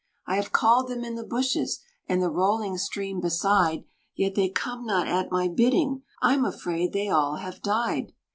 "I have called them in the bushes, And the rolling stream beside; Yet they come not at my bidding; I'm afraid they all have died!"